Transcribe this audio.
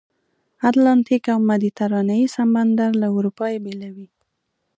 اتلانتیک او مدیترانې سمندر له اروپا یې بېلوي.